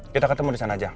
kita ketemu disana aja